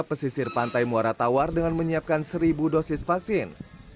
pesisir pantai muara tawar dengan menyiapkan seribu dosis vaksin